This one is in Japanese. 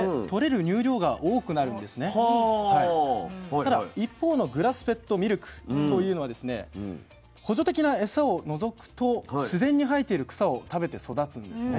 ただ一方のグラスフェッドミルクというのはですね補助的なエサを除くと自然に生えている草を食べて育つんですね。